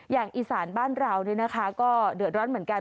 อย่างอีสานบ้านเราก็เดือดร้อนเหมือนกัน